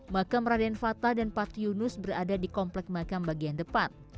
makam raden fata dan pati yunus berada di komplek makam bagian depan